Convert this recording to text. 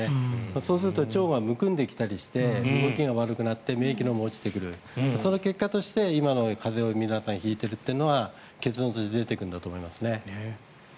そうすると腸がむくんできたりして動きが悪くなって免疫力も落ちてくるその結果として今、風邪を皆さん引いてるというのは結論として出てくるんだと思うんですね。